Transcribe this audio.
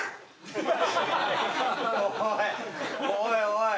おい！